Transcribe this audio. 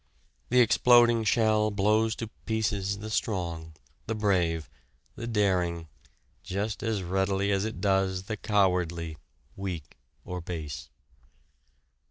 The exploding shell blows to pieces the strong, the brave, the daring, just as readily as it does the cowardly, weak, or base.